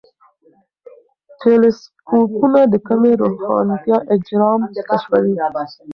ټیلېسکوپونه د کمې روښانتیا اجرام کشفوي.